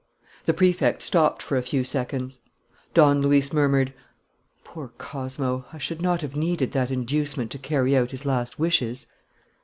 The Prefect stopped for a few seconds. Don Luis murmured: "Poor Cosmo! ... I should not have needed that inducement to carry out his last wishes."